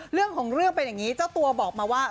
เรื่องของเรื่องเป็นอย่างนี้เจ้าตัวบอกมาว่า